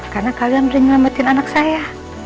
karena kalian udah nyelamatin anak saya